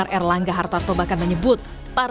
terhadap pasangan di jawa timur